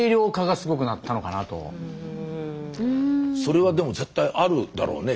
それはでも絶対あるだろうね。